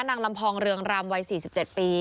ลำพองเรืองรำวัย๔๗ปี